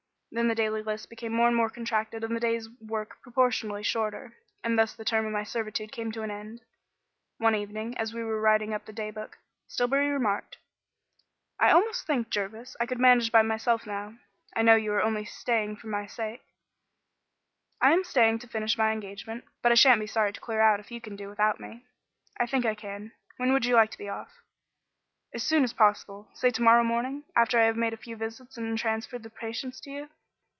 Then the daily lists became more and more contracted and the day's work proportionately shorter. And thus the term of my servitude came to an end. One evening, as we were writing up the day book, Stillbury remarked: "I almost think, Jervis, I could manage by myself now. I know you are only staying on for my sake." "I am staying on to finish my engagement, but I shan't be sorry to clear out if you can do without me." "I think I can. When would you like to be off?" "As soon as possible. Say to morrow morning, after I have made a few visits and transferred the patients to you."